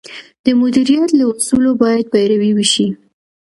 د مدیریت له اصولو باید پیروي وشي.